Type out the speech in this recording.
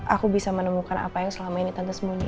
aku bisa menemukan apa yang selama ini tante sembunyi